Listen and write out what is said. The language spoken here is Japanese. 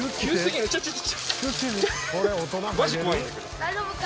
大丈夫か？